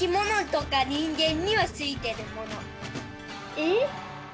えっ？